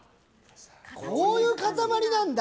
こういう塊なんだ。